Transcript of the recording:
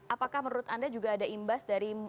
apakah menurut anda juga ada imbas dari